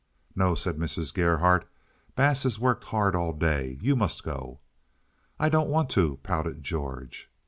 "No," said Mrs. Gerhardt. "Bass has worked hard all day. You must go." "I don't want to," pouted George.